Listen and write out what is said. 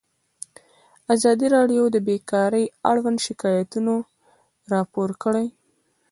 ازادي راډیو د بیکاري اړوند شکایتونه راپور کړي.